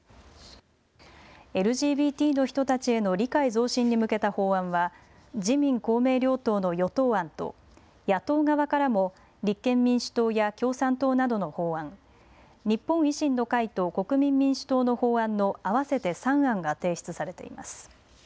ＬＧＢＴの人たちへの理解増進に向けた法案は自民・公明両党の与党案と野党側からも立憲民主党や共産党などの法案日本維新の会と国民民主党の法案の合わせて３案が提出されています。